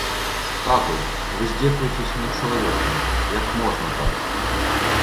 Тату, вы здзекуецеся над чалавекам, як можна так.